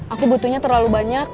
aku butuhnya terlalu banyak